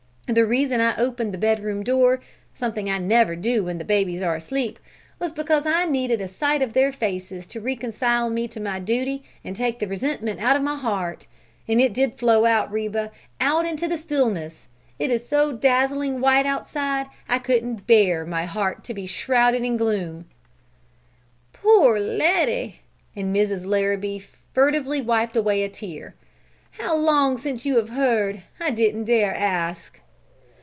The reason I opened the bedroom door something I never do when the babies are asleep was because I needed a sight of their faces to reconcile me to my duty and take the resentment out of my heart ... and it did flow out, Reba, out into the stillness. It is so dazzling white outside, I couldn't bear my heart to be shrouded in gloom!" "Poor Letty!" And Mrs. Larrabee furtively wiped away a tear. "How long since you have heard? I didn't dare ask."